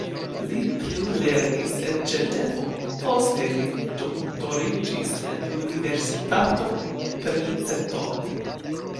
Li plulernis en Ĝenevo, poste li doktoriĝis en Universitato Princeton.